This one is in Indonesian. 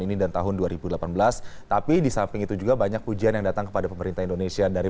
ini dan tahun dua ribu delapan belas tapi di samping itu juga banyak pujian yang datang kepada pemerintah indonesia dari